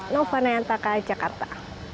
novo nentaka jakarta